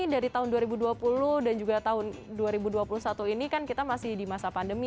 dari tahun dua ribu dua puluh dan juga tahun dua ribu dua puluh satu ini kan kita masih di masa pandemi